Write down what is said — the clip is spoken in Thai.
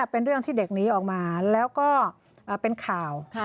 เป็นเรื่องที่เด็กหนีออกมาแล้วก็เป็นข่าว